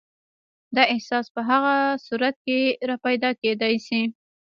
دا احساس په هغه صورت کې راپیدا کېدای شي.